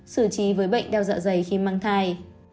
xử trí với bệnh đau dạ dày khi mang thai